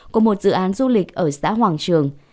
của một dự án du lịch ở xã hoàng trường